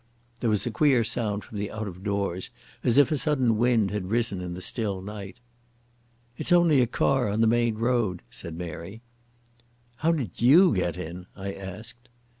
There was a queer sound from the out of doors as if a sudden wind had risen in the still night. "It's only a car on the main road," said Mary. "How did you get in?" I asked.